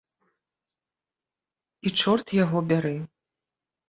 І чорт яго бяры!